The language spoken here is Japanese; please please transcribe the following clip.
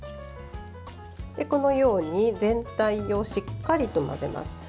このように全体をしっかりと混ぜます。